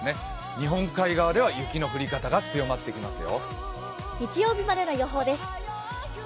日本海側では雪の降り方が強まってきますよ。